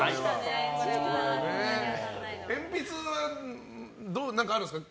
鉛筆は何かあるんですか？